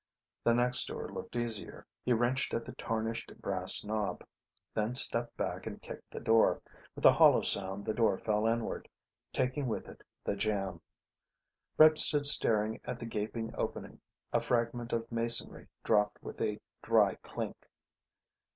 The next door looked easier. He wrenched at the tarnished brass nob, then stepped back and kicked the door. With a hollow sound the door fell inward, taking with it the jamb. Brett stood staring at the gaping opening. A fragment of masonry dropped with a dry clink.